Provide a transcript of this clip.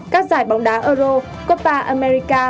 các giải bóng đá euro copa america